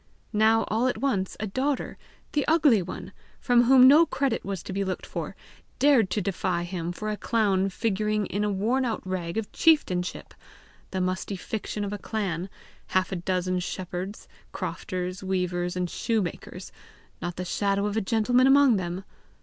Now, all at once, a daughter, the ugly one, from whom no credit was to be looked for, dared to defy him for a clown figuring in a worn out rag of chieftainship the musty fiction of a clan half a dozen shepherds, crofters, weavers, and shoemakers, not the shadow of a gentleman among them!